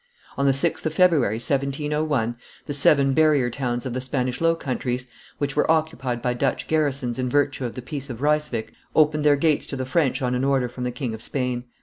On the 6th of February, 1701, the seven barrier towns of the Spanish Low Countries, which were occupied by Dutch garrisons in virtue of the peace of Ryswick, opened their gates to the French on an order from the King of Spain.